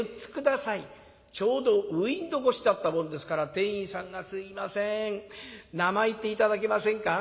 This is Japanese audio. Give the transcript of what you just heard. ちょうどウインドー越しだったもんですから店員さんが「すいません名前言って頂けませんか？」。